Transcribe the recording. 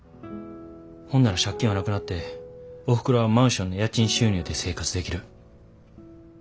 ほんなら借金はなくなっておふくろはマンションの家賃収入で生活できる。